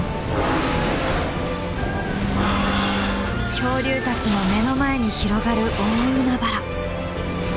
恐竜たちの目の前に広がる大海原。